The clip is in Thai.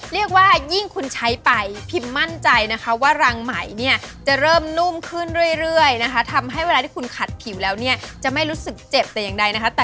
เรียกว่ายิ่งคุณใช้ไปพิมมั่นใจนะคะว่ารังไหมเนี่ยจะเริ่มนุ่มขึ้นเรื่อยนะคะทำให้เวลาที่คุณขัดผิวแล้วเนี่ยจะไม่รู้สึกเจ็บแต่อย่างใดนะคะ